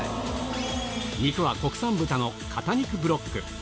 肉は国産豚の肩肉ブロック。